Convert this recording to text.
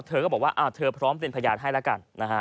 เธอก็บอกว่าเธอพร้อมเป็นพยานให้แล้วกันนะฮะ